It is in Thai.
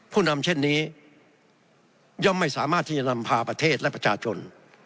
ผู้นำเช่นนี้ย่อมไม่สามารถที่จะนำพาประเทศและประชาชน